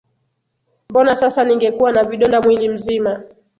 Mbona sasa ningekuwa na vidonda mwili mzima